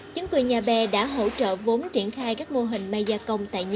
chính quyền nhà bè đã hỗ trợ vốn triển khai các mô hình may gia công tại nhà